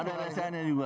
ada rchd juga